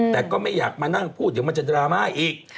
แต่ก็ไม่อยากมานั่งพูดเดี๋ยวมันจะดราม่าอีก